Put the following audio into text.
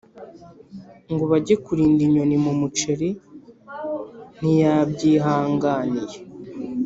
ngo bage kurinda inyoni mu muceri ntiyabyihanganiye.